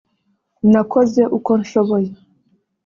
nakoze uko nshoboye